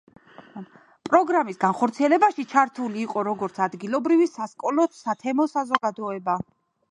პროგრამის განხორციელებაში ჩართული იყო როგორც ადგილობრივი სასკოლო სათემო საზოგადოება